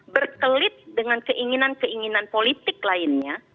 berkelit dengan keinginan keinginan politik lainnya